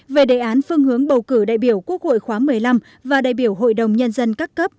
về đề án phương hướng bầu cử đại biểu quốc hội khóa một mươi năm và đại biểu hội đồng nhân dân các cấp